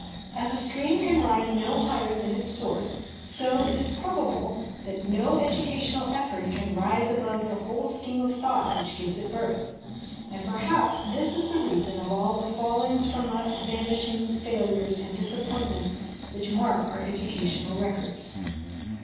As a stream can rise no higher than its source, so it is probable that no educational effort can rise above the whole scheme of thought which gives it birth ; and perhaps this is the reason of all the ' fallings from us, vanishings,' failures, and disappointments which mark our educational records.